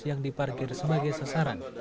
yang diparkir sebagai sasaran